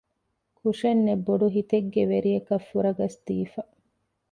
ކުށެއްނެތް ބޮޑު ހިތެއްގެ ވެރިޔަކަށް ފުރަގަސް ދީފަ